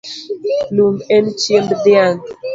Lum en chiemb dhiang’